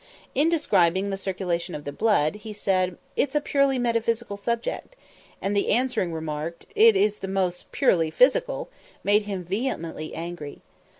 In describing the circulation of the blood, he said, "It's a purely metaphysical subject;" and the answering remark, "It is the most purely physical," made him vehemently angry.